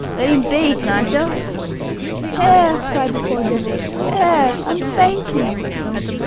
"Let him be, can't yer?" "H'air!" cried the poor devil "h'air; I'm fainting!"